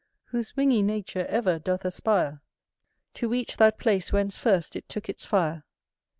Whose wingy nature ever doth aspire To reach that place whence first it took its fire.